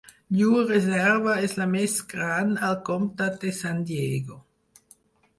Llur reserva és la més gran al Comtat de San Diego.